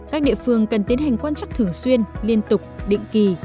các địa phương cần tiến hành quan chắc thường xuyên liên tục định kỳ